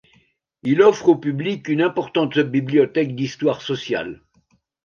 Il offre au public une importante bibliothèque d'histoire sociale.